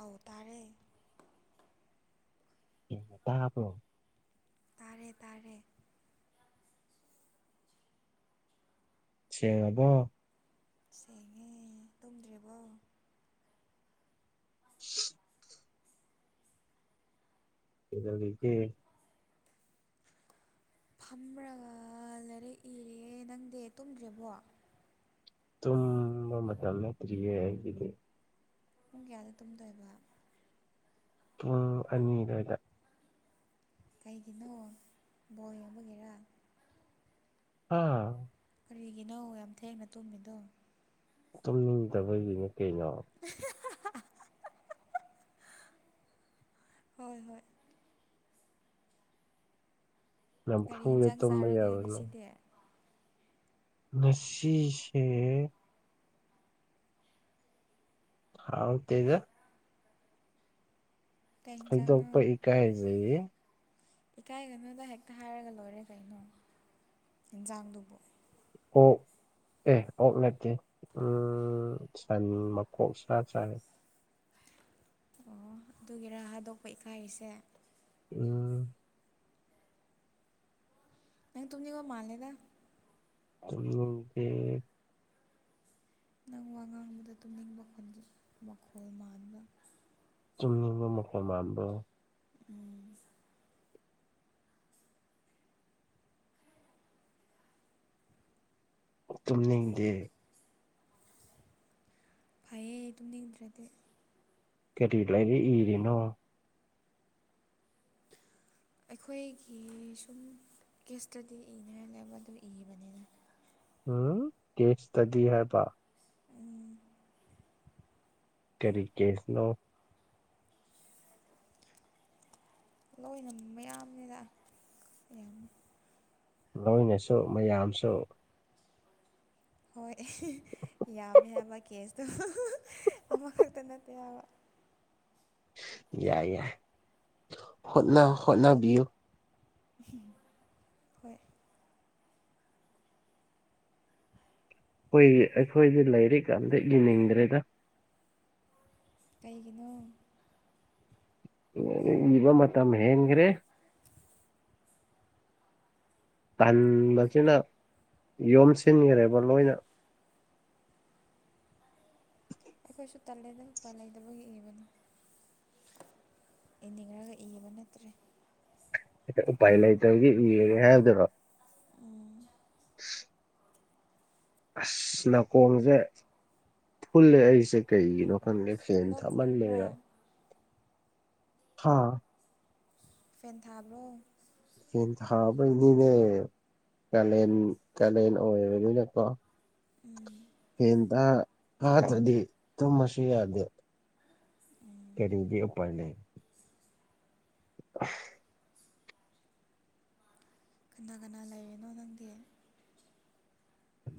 ꯑꯧ ꯇꯥꯔꯦ ꯇꯥꯕ꯭ꯔꯣ ꯇꯥꯔꯦ ꯇꯥꯔꯦ ꯁꯦꯡꯉꯕꯣ ꯁꯦꯡꯉꯦ ꯇꯨꯝꯗ꯭ꯔꯤꯕꯣ [inaudible] ꯀꯩꯗꯧꯔꯤꯒꯦ ꯐꯝꯔꯒ ꯂꯥꯏꯔꯤꯛ ꯏꯔꯤꯌꯦ ꯅꯪꯗꯤ ꯇꯨꯝꯗ꯭ꯔꯤꯕꯣ ꯇꯨꯝꯕ ꯃꯇꯝ ꯅꯠꯇꯔꯤꯌꯦ ꯑꯩꯒꯤꯗꯤ ꯄꯨꯡ ꯀꯌꯥꯗ ꯇꯨꯝꯗꯣꯏꯕ ꯄꯨꯡ ꯑꯅꯤ ꯑꯗꯥꯏꯗ ꯀꯩꯒꯤꯅꯣ ꯕꯣꯜ ꯌꯦꯡꯕꯒꯤꯔꯥ ꯍꯥ ꯀꯔꯤꯒꯤꯅꯣ ꯌꯥꯝ ꯊꯦꯡꯅ ꯇꯨꯝꯃꯤꯗꯣ ꯇꯨꯝꯅꯤꯡꯗꯕꯒꯤꯅꯤ ꯀꯩꯅꯣ [inaudible] ꯍꯣꯏ ꯍꯣꯏ ꯒꯥꯔꯤ ꯅꯝꯐꯨꯗ ꯌꯦꯟꯖꯥꯡ ꯇꯨꯝꯕ ꯆꯥꯔꯒꯦ ꯌꯥꯕꯅꯣ ꯉꯁꯤꯗꯤ ꯉꯁꯤꯁꯦ ꯍꯥꯎꯇꯦꯗ ꯀꯩ ꯍꯤꯟꯖꯥꯡꯅꯣ ꯍꯥꯏꯗꯣꯛꯄ ꯏꯀꯥꯏꯖꯩꯌꯦ ꯏꯀꯥꯏꯒꯅꯨꯗ ꯍꯦꯛꯇ ꯍꯥꯏꯔꯒ ꯂꯣꯏꯔꯦ ꯀꯩꯅꯣ ꯌꯦꯟꯖꯥꯡꯗꯨꯕꯨ ꯑꯣꯛ ꯑꯦ ꯑꯣꯛ ꯅꯠꯇꯦ ꯎꯝ ꯁꯟ ꯃꯀꯣꯛ ꯁꯥ ꯆꯥꯏꯌꯦ ꯑꯣ ꯑꯗꯨꯒꯤꯔꯥ ꯍꯥꯗꯣꯛꯄ ꯏꯀꯥꯏꯔꯤꯁꯦ ꯎꯝ ꯅꯪ ꯇꯨꯝꯅꯤꯡꯕ ꯃꯥꯥꯜꯂꯦꯗ ꯇꯨꯝꯅꯤꯡꯗꯦ ꯅꯪ ꯋꯥ ꯉꯥꯡꯕꯗ ꯇꯨꯝꯅꯤꯡꯕ ꯈꯣꯟ ꯃꯈꯣꯜ ꯃꯥꯟꯕ ꯇꯨꯝꯅꯤꯡꯕ ꯃꯈꯣꯟ ꯃꯥꯟꯕ꯭ꯔꯣ ꯎꯝ ꯇꯨꯝꯅꯤꯡꯗꯦ ꯐꯩꯌꯦ ꯇꯨꯝꯅꯤꯡꯗ꯭ꯔꯗꯤ ꯀꯔꯤ ꯂꯩꯔꯤꯛ ꯏꯔꯤꯅꯣ ꯑꯩꯈꯣꯏꯒꯤ ꯁꯨꯝ ꯀꯦꯁꯇꯗꯤ ꯏꯅꯉꯥꯏꯅꯦ ꯑꯗꯨ ꯏꯕꯅꯤꯗ ꯎꯝ ꯀꯦꯁꯇꯗꯤ ꯍꯥꯏ ꯄ ꯎꯝ ꯀꯔꯤ ꯀꯦꯁ ꯅꯣ ꯂꯣꯏꯅ ꯃꯌꯥꯝꯅꯤꯗ ꯌꯥꯝ ꯂꯣꯏꯅꯁꯨ ꯃꯌꯥꯝꯁꯨ ꯍꯣꯏ ꯍꯤꯍꯤ ꯑꯦ ꯌꯥꯝꯃꯦ ꯍꯥꯏꯕ ꯀꯦꯁꯇꯣ ꯍꯨꯍꯨꯍꯨ ꯑꯃꯈꯛꯇ ꯅꯠꯇꯦ ꯍꯥꯏꯕ ꯌꯥꯏ ꯌꯥꯏ ꯍꯣꯠꯅ ꯍꯠꯅꯕꯤꯌꯨ ꯍꯣꯏ ꯑꯩꯈꯣꯏ ꯑꯩꯈꯣꯏꯗꯤ ꯂꯥꯏꯔꯤꯛ ꯑꯝꯇ ꯏꯅꯤꯡꯗ꯭ꯔꯦꯗ ꯀꯩꯒꯤꯅꯣ ꯏꯕ ꯃꯇꯝ ꯍꯟꯒ꯭ꯔꯦ ꯇꯟꯕꯁꯤꯅ ꯌꯣꯝꯁꯤꯟꯈ꯭ꯔꯦꯕ ꯂꯣꯏꯅ ꯑꯩꯈꯣꯏꯁꯨ ꯇꯜꯂꯦꯗ ꯎꯄꯥꯏ ꯂꯩꯇꯕꯒꯤ ꯏꯕꯅꯤ ꯏꯅꯤꯡꯔꯒ ꯏꯕ ꯅꯠꯇ꯭ꯔꯦ ꯎꯄꯥꯏ ꯂꯩꯇꯕꯒꯤ ꯏꯔꯒꯦ ꯍꯥꯏꯕꯗꯨꯔꯣ ꯎꯝ ꯑꯁ ꯅꯥꯀꯣꯡꯁꯦ ꯐꯨꯜꯂꯦ ꯑꯩꯁꯦ ꯀꯩꯒꯤꯅꯣ ꯐꯨꯜꯂꯦ ꯐꯦꯟ ꯂꯣꯛ ꯈꯨꯕ꯭ꯔꯥ ꯊꯥꯃꯟꯕꯩꯔ ꯍꯥ ꯐꯦꯟ ꯊꯥꯕ꯭ꯔꯣ ꯐꯦꯟ ꯊꯥꯕꯩꯅꯤꯅꯦ ꯀꯥꯂꯦꯟ ꯀꯥꯂꯦꯟ ꯑꯣꯏꯕꯅꯤꯅꯀꯣ ꯎꯝ ꯐꯦꯟ ꯊꯥ ꯊꯗꯗꯤ ꯇꯨꯝꯃꯁꯨ ꯌꯥꯗꯦ ꯎꯝ ꯀꯔꯤꯗꯤ ꯎꯄꯥꯏ ꯂꯩ [unintelligible] ꯀꯅꯥ ꯀꯅꯥ ꯂꯩꯔꯤꯅꯣ ꯅꯪꯗꯤ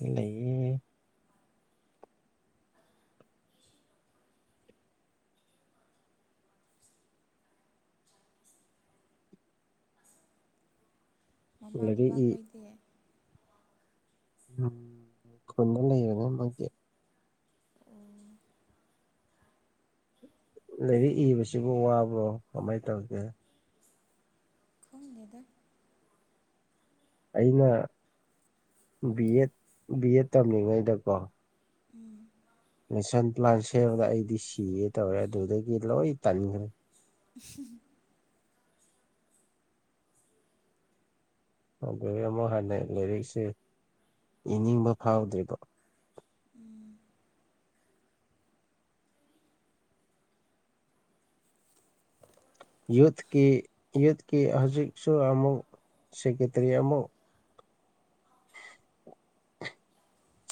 ꯃꯤ ꯂꯩꯌꯦ ꯃꯃꯥ ꯂꯥꯏꯔꯤꯛ ꯕꯕꯥ ꯏ ꯈꯣꯏꯗꯤ ꯎꯝ ꯈꯨꯟꯗ ꯂꯩꯕꯅꯦ ꯃꯣꯏꯗꯤ ꯑꯣ ꯂꯥꯏꯔꯤꯛ ꯏꯕꯁꯤꯕꯨ ꯋꯥꯕ꯭ꯔꯣ ꯀꯃꯥꯏ ꯇꯧꯒꯦ ꯈꯪꯗꯦꯗ ꯑꯩꯅ ꯕꯤ ꯑꯦꯗ ꯕꯤ ꯑꯦꯗ ꯇꯝꯂꯤꯉꯩꯗꯀꯣ ꯎꯝ ꯃꯦꯁꯟ ꯄ꯭ꯂꯥꯟ ꯁꯦꯝꯕꯗ ꯑꯩꯗꯤ ꯁꯤꯒꯦ ꯇꯧꯔꯦ ꯑꯗꯨꯗꯒꯤ ꯂꯣꯏ ꯇꯟꯈ꯭ꯔꯦ [unintelligible] ꯑꯗꯩ ꯑꯃꯨꯛ ꯍꯟꯅ ꯂꯥꯏꯔꯤꯛꯁꯦ ꯏꯅꯤꯡꯕ ꯐꯥꯎꯗ꯭ꯔꯤꯕ ꯎꯝ ꯌꯨꯠꯀꯤ ꯌꯨꯠꯀꯤ ꯍꯧꯖꯤꯛꯁꯨ ꯑꯃꯨꯛ ꯁꯦꯀꯦꯇꯔꯤ ꯑꯃꯨꯛ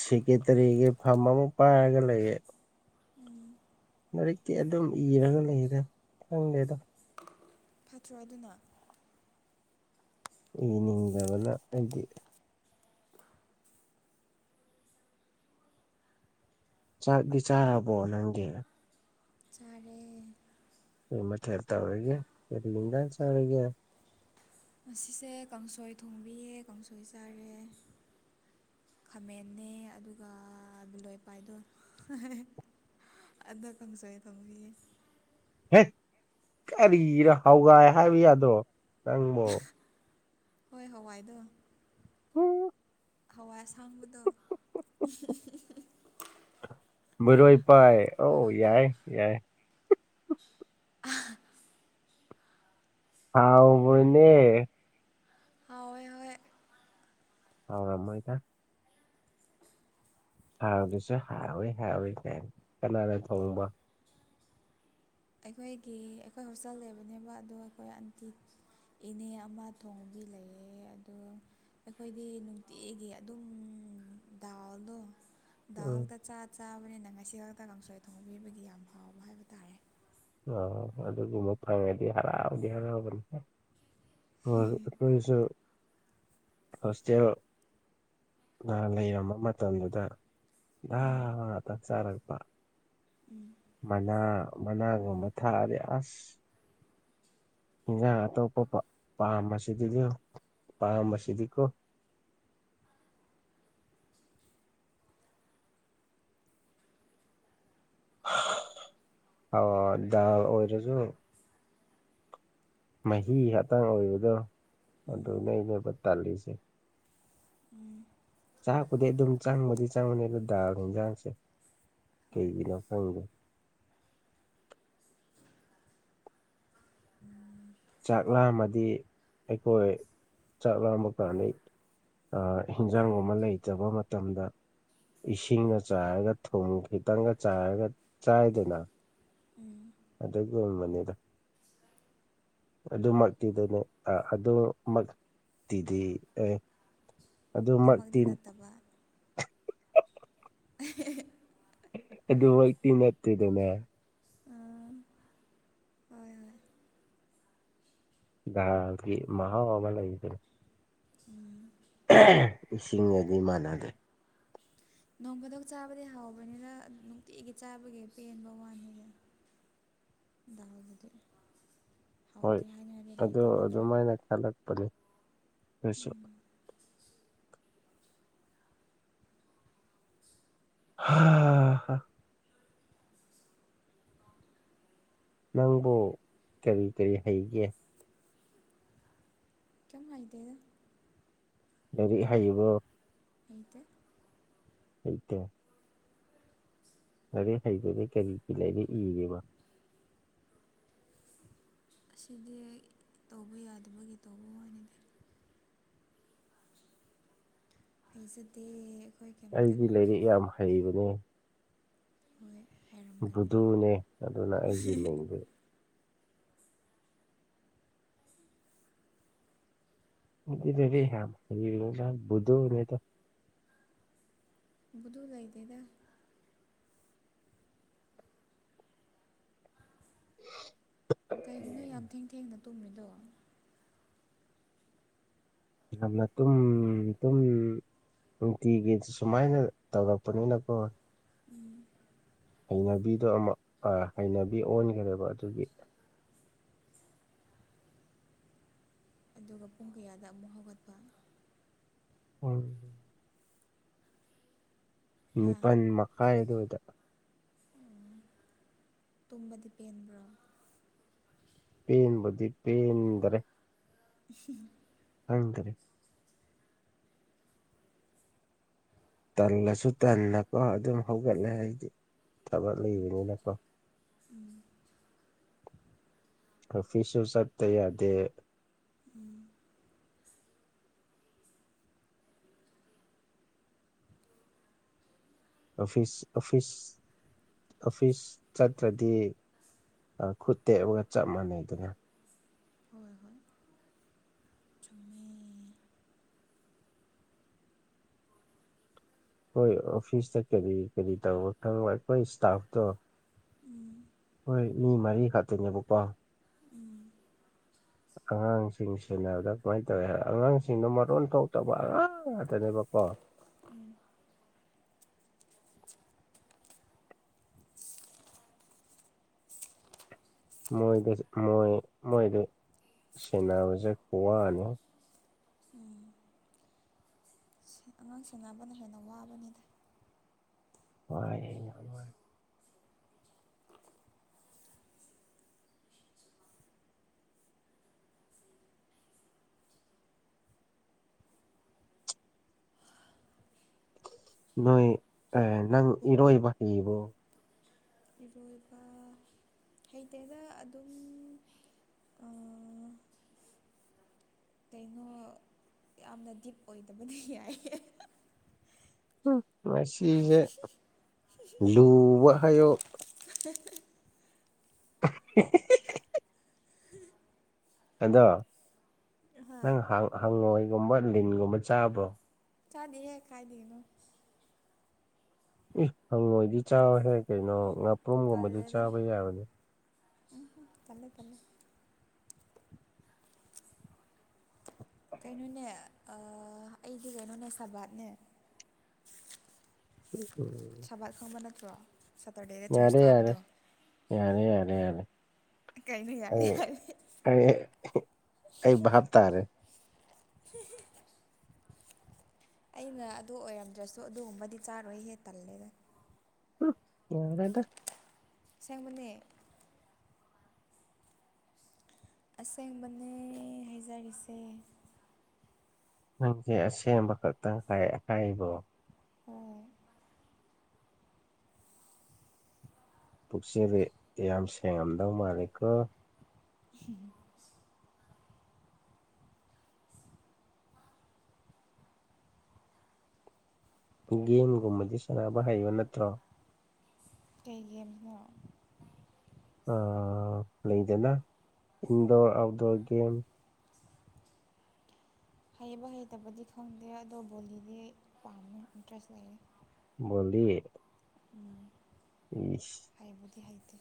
ꯁꯦꯀꯦꯇꯔꯤꯒꯤ ꯐꯥꯝ ꯑꯃ ꯄꯥꯏꯔꯒ ꯂꯩꯌꯦ ꯎꯝ ꯂꯥꯏꯔꯤꯛꯀꯤ ꯑꯗꯨꯝ ꯏꯔꯒ ꯂꯩꯗ ꯈꯪꯗꯦꯗ ꯐꯠꯇ꯭ꯔꯣ ꯑꯗꯨꯅ ꯏꯅꯤꯡꯗꯕꯅ ꯑꯩꯗꯤ ꯆꯥꯛꯇꯤ ꯆꯥꯔꯕꯣ ꯅꯪꯗꯤ ꯆꯔꯦ ꯀꯔꯤ ꯃꯊꯦꯜ ꯇꯧꯔꯤꯒꯦ ꯀꯔꯤ ꯏꯤꯟꯖꯥꯡ ꯆꯥꯔꯒꯦ ꯉꯁꯤꯁꯦ ꯀꯥꯡꯁꯣꯏ ꯊꯣꯡꯕꯤꯌꯦ ꯀꯥꯡꯁꯣꯏ ꯆꯥꯔꯦ ꯈꯥꯃꯦꯟꯅꯦ ꯑꯗꯨꯒ ꯕꯤꯂꯣꯏꯄꯥꯏꯗꯣ ꯑꯗꯣ ꯀꯥꯡꯁꯣꯏ ꯊꯣꯡꯕꯤꯌꯦ ꯍꯦ ꯀꯔꯤꯔ ꯍꯥꯋꯥꯏ ꯍꯥꯏꯕ ꯌꯥꯗ꯭ꯔꯣ ꯅꯪꯕꯣ ꯍꯣꯏ ꯍꯋꯥꯏꯗꯣ ꯎꯝ ꯍꯋꯥꯏ ꯑꯁꯥꯡꯕꯗꯣ ꯕꯤꯔꯣꯏꯄꯥꯏ ꯑꯣ ꯌꯥꯏ ꯌꯥꯏ ꯍꯥꯎꯕꯅꯦ ꯍꯥꯎꯋꯦ ꯍꯣꯏ ꯍꯥꯎꯔꯝꯃꯣꯏꯗ ꯍꯥꯎꯗꯁꯨ ꯍꯥꯎꯋꯦ ꯍꯥꯎꯋꯦ ꯒꯥꯏꯅ ꯀꯅꯥꯅ ꯊꯣꯡꯕ ꯑꯩꯈꯣꯏꯒꯤ ꯑꯩꯈꯣꯏ ꯍꯣꯁꯇꯦꯜ ꯂꯩꯕꯅꯦꯕ ꯑꯗꯣ ꯑꯩꯈꯣꯏ ꯑꯟꯇꯤ ꯏꯅꯦ ꯑꯃ ꯊꯣꯡꯕꯤ ꯂꯩꯌꯦ ꯑꯗꯨ ꯑꯩꯈꯣꯏꯗꯤ ꯅꯨꯡꯇꯤꯒꯤ ꯑꯗꯨꯝ ꯗꯥꯜꯗꯣ ꯗꯥꯜ ꯎꯝ ꯈꯛꯇ ꯆꯥ ꯆꯥꯕꯅꯤꯅ ꯉꯁꯤ ꯈꯛꯇ ꯀꯥꯡꯁꯣꯏ ꯊꯣꯡꯕꯤꯕꯒꯤ ꯌꯥꯝ ꯍꯥꯎꯕ ꯍꯥꯏꯕ ꯇꯥꯔꯦ ꯑ ꯑꯗꯨꯒꯨꯝꯕ ꯐꯪꯉꯗꯤ ꯍꯔꯥꯎꯗꯤ ꯍꯔꯥꯎꯕꯅꯤꯍꯦ ꯍꯣꯏ ꯑꯗꯣ ꯑꯩꯁꯨ ꯍꯣꯁꯇꯦꯜ ꯅ ꯂꯩꯔꯝꯕ ꯃꯇꯝꯗꯨꯗ ꯗꯥꯜ ꯎꯝ ꯉꯥꯛꯇ ꯆꯥꯔꯛꯄ ꯎꯝ ꯃꯅꯥ ꯃꯅꯥꯒꯨꯝꯕ ꯊꯥꯔꯛꯑꯗꯤ ꯑꯁ ꯏꯟꯖꯥꯡ ꯑꯇꯣꯞꯄ ꯄꯥ ꯄꯥꯝꯕꯁꯤꯗꯤꯗꯣ ꯄꯥꯝꯕꯁꯤꯗꯤꯀꯣ ꯑꯣ ꯗꯥꯜ ꯑꯣꯏꯔꯖꯨ ꯃꯍꯤ ꯉꯥꯇꯪ ꯑꯣꯏꯕꯗꯣ ꯎꯝ ꯑꯗꯨꯅꯦꯕ ꯑꯩꯅ ꯇꯜꯂꯤꯁꯦ ꯎꯝ ꯆꯥꯛꯄꯨꯗꯤ ꯑꯗꯨꯝ ꯆꯪꯕꯗꯤ ꯆꯪꯕꯅꯦꯕ ꯗꯥꯜ ꯍꯤꯟꯖꯥꯡꯁꯦ ꯍꯣꯏ ꯀꯩꯒꯤꯅꯣ ꯈꯪꯗꯦ ꯆꯥꯛ ꯂꯥꯝꯃꯗꯤ ꯑꯩꯈꯣꯏ ꯆꯥꯛ ꯂꯥꯝꯕ ꯐꯥꯅꯩ ꯑꯥ ꯍꯤꯟꯖꯥꯡꯒꯨꯝꯕ ꯂꯩꯇꯕ ꯃꯇꯝꯗ ꯏꯁꯤꯡꯅ ꯆꯥꯏꯔꯒ ꯊꯨꯝ ꯈꯤꯇꯪꯒ ꯆꯥꯏꯔꯒ ꯆꯥꯏꯗꯅ ꯎꯝ ꯑꯗꯨꯒꯨꯝꯕꯅꯤꯗ ꯑꯗꯨꯃꯛꯇꯤꯗꯅꯦ ꯑꯗꯨ ꯃꯛ ꯇꯤꯗꯤ ꯑꯦ ꯑꯗꯨꯃꯛꯇꯤ ꯅꯠꯇꯕ ꯑ ꯍꯦ ꯍꯦ [unintelligible] ꯑꯗꯨꯃꯛꯇꯤ ꯅꯠꯇꯦꯗꯅ ꯎꯝ ꯍꯣꯏ ꯍꯣꯏ ꯗꯥꯜꯒꯤ ꯃꯍꯥꯎ ꯑꯃ ꯂꯩꯗꯅ ꯎꯝ ꯏꯁꯤꯡꯒꯗꯤ ꯃꯥꯟꯅꯗꯦ ꯅꯣꯡꯐꯥꯗꯣꯛ ꯆꯥꯕꯗꯤ ꯍꯥꯎꯕꯅꯤꯗ ꯅꯨꯡꯇꯤꯒꯤ ꯆꯥꯕꯒꯤ ꯄꯦꯟꯕ ꯋꯥꯅꯤꯗ ꯗꯥꯜꯗꯗꯤ ꯍꯥꯎꯇꯦ ꯍꯥꯏꯅꯤꯡꯉꯥꯏꯗꯤ ꯂꯩꯇꯦ ꯅꯠꯇ꯭ꯔꯥ ꯇꯂꯛꯄꯅꯤ ꯑꯗꯨꯁꯨ ꯎꯝ ꯍꯥ ꯅꯪꯕꯨ ꯀꯔꯤ ꯀꯔꯤ ꯍꯩꯒꯦ ꯀꯩꯝ ꯍꯩꯇꯦꯗ ꯂꯥꯔꯤꯛ ꯍꯥꯏꯕ꯭ꯔꯣ ꯍꯩꯇꯦ [inaudible] ꯂꯔꯤꯛ ꯍꯩꯗꯗꯤ ꯀꯔꯤꯒꯤ ꯂꯔꯤꯛ ꯏꯔꯤꯕ ꯑꯁꯤꯗꯤ ꯇꯧꯕ ꯌꯥꯗꯕꯒꯤ ꯇꯧꯕ ꯋꯥꯅꯤꯗꯦ ꯍꯖꯦꯗꯦ ꯑꯩꯗꯤ ꯂꯩꯔꯤꯛ ꯌꯥꯝ ꯍꯩꯕꯅꯦ ꯍꯣꯏ ꯍꯩꯔꯝ ꯕꯨꯗꯨꯅꯦ ꯑꯗꯨꯅ ꯑꯩꯒꯤ ꯃꯤꯡꯗꯤ [unintelligible] ꯕꯨꯗꯨꯅꯤꯗ ꯕꯨꯗꯨ ꯂꯩꯏꯗꯦꯗ ꯀꯩꯒꯤꯅꯣ ꯌꯥꯝ ꯊꯦꯡ ꯊꯦꯡꯅ ꯇꯨꯝꯔꯤꯗꯣ ꯌꯥꯝꯅ ꯇꯨꯝ ꯇꯨꯝ ꯅꯨꯡꯇꯤꯒꯤ ꯁꯨꯃꯥꯏꯅ ꯇꯧꯔꯛꯄꯅꯤꯅꯀꯣ ꯍꯩꯅꯕꯤꯗꯣ ꯑꯃꯛ ꯑꯥ ꯍꯩꯅꯕꯤ ꯑꯣꯟꯈꯒ꯭ꯔꯦꯕ ꯑꯗꯨꯒꯤ ꯑꯗꯨꯒ ꯄꯨꯡ ꯀꯌꯥꯗ ꯑꯃꯨꯛ ꯍꯧꯒꯠꯄ [inaudible] ꯍꯥ ꯅꯤꯄꯜ ꯃꯈꯥꯏ ꯑꯗꯨꯗ ꯎꯝ ꯇꯨꯝꯕꯗꯤ ꯄꯦꯟꯕ꯭ꯔꯣ ꯄꯟꯕꯨꯗꯤ ꯄꯦꯟꯗ꯭ꯔꯦ [unintelligible] [unintelligible] ꯇꯜꯂꯁꯨ ꯇꯟꯅꯀꯣ ꯗꯨꯝ ꯍꯧꯒꯠꯂꯦ ꯍꯥꯏꯗꯤ ꯊꯕꯛ ꯂꯩꯕꯅꯤꯅꯀꯣ ꯑꯐꯤꯁꯁꯨ ꯆꯠꯇꯥ ꯌꯥꯗꯦ ꯎꯝ ꯑꯣꯐꯤꯁ ꯑꯣꯐꯤꯁ ꯑꯣꯐꯤꯁ ꯆꯠꯇ꯭ꯔꯗꯤ ꯑ ꯈꯨꯠ ꯇꯦꯛꯑꯒ ꯆꯞ ꯃꯥꯟꯅꯩꯗꯅ ꯍꯣꯏ ꯍꯣꯏ ꯆꯨꯝꯃꯦ ꯈꯣꯏ ꯑꯣꯐꯤꯁꯇ ꯀꯔꯤ ꯀꯔꯤ ꯇꯧ ꯈꯪꯕ ꯑꯩꯈꯣꯏ ꯏꯁꯇꯥꯐꯇꯣ ꯎꯝ ꯍꯣꯏ ꯃꯤ ꯃꯔꯤ ꯈꯥꯛꯛꯇꯅꯦꯕꯀꯣ ꯎꯝ ꯑꯉꯥꯡꯁꯤꯡ ꯁꯦꯟꯅꯕꯗ ꯀꯃꯥꯏꯅ ꯇꯧꯋꯤ ꯍꯥꯏ ꯑꯉꯥꯡꯁꯤꯡꯗꯣ ꯃꯔꯣꯟ ꯊꯣꯛꯇꯕ ꯑꯉꯥꯡ ꯉꯥꯛꯇꯅꯦꯕꯀꯣ ꯎꯝ [inaudible] ꯃꯣꯏꯗꯤ ꯃꯣꯏ ꯃꯣꯏꯗꯤ ꯁꯦꯟꯅꯕꯖꯦ ꯈꯨꯋꯥꯅꯤ ꯎꯝ ꯑꯉꯥꯡꯁꯦꯟꯅꯕꯅ ꯍꯦꯟꯅ ꯋꯥꯕꯅꯤꯗ ꯋꯥꯏ ꯅꯣꯏ ꯑꯥ ꯅꯪ ꯏꯔꯣꯏꯕꯍꯩꯕꯣ ꯏꯔꯣꯏꯕ ꯍꯩꯇꯦꯗ ꯑꯗꯨꯝ ꯑꯥ ꯀꯩꯅꯣ ꯌꯥꯝꯅ ꯗꯤꯞ ꯑꯣꯏꯗꯕꯗꯤ ꯌꯥꯏ ꯉꯁꯤꯖ ꯂꯨꯕ ꯍꯥꯏꯌꯣ [inaudible] [unintelligible] ꯑꯗꯣ ꯍꯥ ꯅꯪ ꯍꯪꯉꯣꯏꯒꯨꯝꯕ ꯂꯤꯟꯒꯨꯝꯕ ꯆꯥꯕꫭ ꯆꯥꯗꯦꯍꯦ ꯀꯥꯏꯗꯒꯤꯅꫭ ꯏ ꯍꯪꯉꯣꯏꯗꯤ ꯆꯥꯎꯍꯦ ꯀꯩꯅꯣ ꯉꯥꯄ꯭ꯔꯨꯝꯒꯨꯝꯕꯗꯤ ꯇꯜꯂꯦꯗ ꯆꯥꯕ ꯌꯥꯕꯅꯦ [unintelligible] ꯇꯜꯂꯦ ꯇꯜꯂꯦ ꯀꯩꯅꯣꯅꯦ ꯑ ꯑꯩꯗꯤ ꯀꯩꯅꯣꯅꯦ ꯁꯕꯥꯠꯅꯦ [unintelligible] ꯁꯕꯥꯠ ꯈꯪꯕ ꯅꯠꯇ꯭ꯔꫭ ꯌꯥꯔꯦ ꯌꯥꯔꯦ ꯌꯥꯔꯦ ꯌꯥꯔꯦ ꯌꯥꯔꯦ ꯀꯩꯩꯅꫭ ꯌꯥꯏ ꯑꯩ ꯍꯥꯏꯞꯗꯤ ꯑꯩ ꯑꯩ ꯕꯥꯞ ꯇꯥꯔꯦ [unintelligible] ꯑꯩꯅ ꯑꯗꯨ ꯑꯣꯏꯔꯝꯗ꯭ꯔꯁꯨ ꯑꯗꯨꯒꯨꯝꯕꯗꯤ ꯆꯥꯔꯣꯏ ꯍꯦ ꯇꯜꯂꯦꯗ ꯎꯝ ꯌꯥꯔꯦꯗ ꯑꯁꯦꯡꯕꯅꯦ ꯑꯁꯦꯡꯕꯅꯦ ꯍꯥꯏꯖꯔꯤꯁꯦ ꯅꯪꯁꯦ ꯑꯁꯦꯡꯕ ꯈꯛꯇꯪ [unintelligible] ꯍꯣꯏ ꯄꯨꯛꯆꯦꯔꯤ ꯌꯥꯝ ꯁꯦꯡꯉꯝꯗꯧ ꯃꯥꯜꯂꯤꯀꯣ [unintelligible] [unintelligible] ꯒꯨꯝꯕꯗꯤ ꯆꯥꯕ ꯍꯩꯕ ꯅꯠꯇ꯭ꯔꯣ ꯀꯩ [unintelligible] ꯅꫭ ꯑ ꯂꯩꯗꯅ ꯏꯟꯗꯣꯔ ꯑꯥꯎꯠꯗꯣꯔ ꯒꯦꯝ ꯍꯩꯕ ꯍꯩꯇꯕꯗꯤ ꯈꯪꯗꯦ ꯑꯗꯣ ꯕꯣꯜꯂꯤꯗꯤ ꯄꯥꯝꯃꯦ ꯏꯟꯇꯔꯦꯁ ꯂꯩꯌꯦ ꯕꫭꯜꯂꯤ ꯎꯝ ꯏꯁ ꯍꯩꯕꯨꯗꯤ ꯍꯩꯇꯦ